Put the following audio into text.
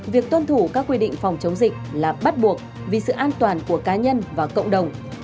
việc tuân thủ các quy định phòng chống dịch là bắt buộc vì sự an toàn của cá nhân và cộng đồng